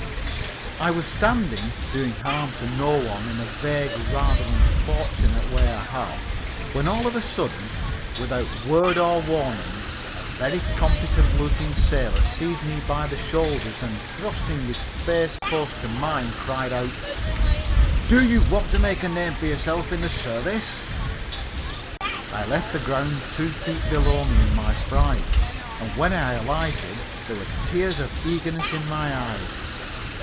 _ I was standing doing harm to no one in a vague, rather unfortunate way I have, when all of a sudden, without word or warning, a very competent looking sailor seized me by the shoulders and, thrusting his face close to mine, cried out: "Do you want to make a name for yourself in the service?" I left the ground two feet below me in my fright and when I alighted there were tears of eagerness in my eyes.